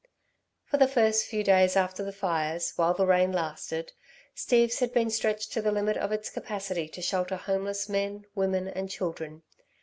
For the first few days after the fires, while the rain lasted, Steve's had been stretched to the limit of its capacity to shelter homeless men, women and children.